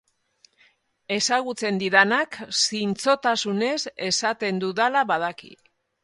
Ezagutzen didanak zintzotasunez esaten dudala badaki.